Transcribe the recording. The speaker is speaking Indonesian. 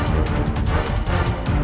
jatuh darah berharga